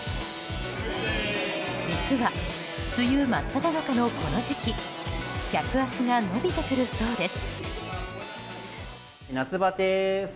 実は、梅雨真っただ中のこの時期客足が伸びてくるそうです。